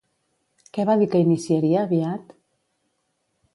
Què va dir que iniciaria aviat?